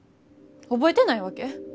覚えてないわけ？